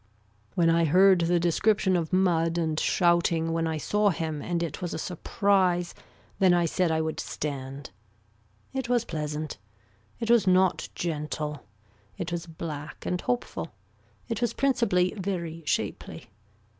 When I heard the description of mud and shouting when I saw him and it was a surprise then I said I would stand. It was pleasant. It was not gentle. It was black and hopeful. It was principally very shapely.